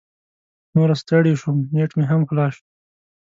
نوره ستړې شوم، نیټ مې هم خلاص شو.